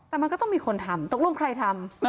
แต่มันก็ต้องมีคนทำตกลงใครทำ